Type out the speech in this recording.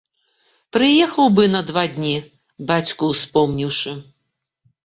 Прыехаў быў на два дні, бацьку ўспомніўшы.